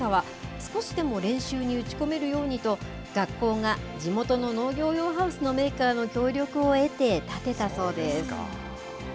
少しでも練習に打ち込めるようにと、学校が地元の農業用ハウスのメーカーの協力を得て建てたそうです。